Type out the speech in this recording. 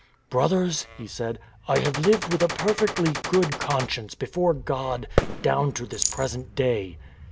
" Brothers," he said, " I have lived with a perfectly good conscience before God down to this present day."